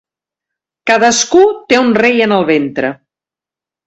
Cadascú té un rei en el ventre.